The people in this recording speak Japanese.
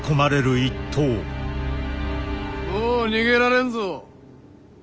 もう逃げられんぞ。